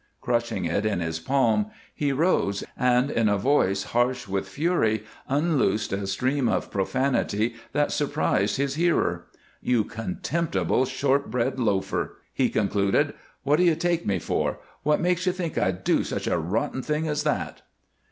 Crushing it in his palm, he rose, and in a voice harsh with fury unloosed a stream of profanity that surprised his hearer. "You contemptible, short bred loafer!" he concluded. "What do you take me for? What makes you think I'd do such a rotten thing as that?"